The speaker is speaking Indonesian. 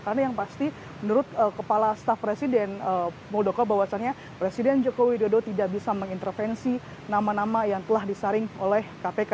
karena yang pasti menurut kepala staf presiden modoko bahwasannya presiden jokowi dodo tidak bisa mengintervensi nama nama yang telah disaring oleh kpk